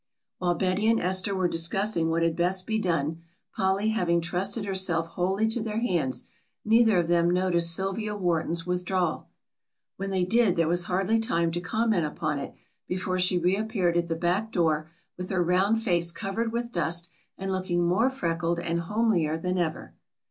While Betty and Esther were discussing what had best be done, Polly having trusted herself wholly to their hands, neither of them noticed Sylvia Wharton's withdrawal. When they did there was hardly time to comment upon it before she reappeared at the back door with her round face covered with dust and looking more freckled and homelier than ever.